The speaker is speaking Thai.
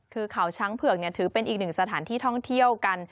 คือเขาช้างเผือกถือเป็นอีกหนึ่งสถานที่ท่องเที่ยวกัน